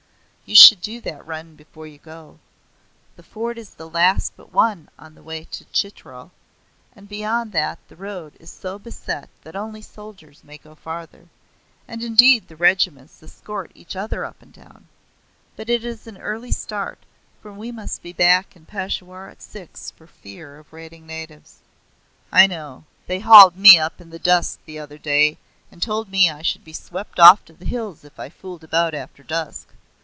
You should do that run before you go. The fort is the last but one on the way to Chitral, and beyond that the road is so beset that only soldiers may go farther, and indeed the regiments escort each other up and down. But it is an early start, for we must be back in Peshawar at six for fear of raiding natives." "I know; they hauled me up in the dusk the other day, and told me I should be swept off to the hills if I fooled about after dusk.